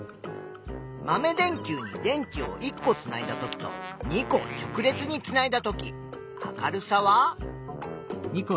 豆電球に電池を１個つないだときと２個直列につないだとき明るさは？